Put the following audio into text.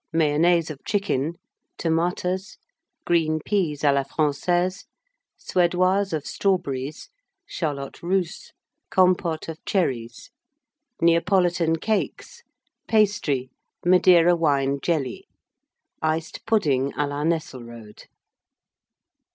Mayonnaise of Chicken. Tomatas. Green Peas à la Française. Suédoise of Strawberries. Charlotte Russe. Compôte of Cherries. Neapolitan Cakes. Pastry. Madeira Wine Jelly. Iced Pudding à la Nesselrode.